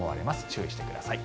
注意してください。